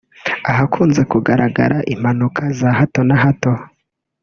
ahakunze kugaragara impanuka za hato na hato